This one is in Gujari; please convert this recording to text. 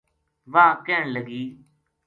واہ کہن لگی